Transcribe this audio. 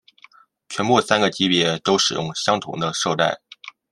全部三个级别都使用相同的绶带。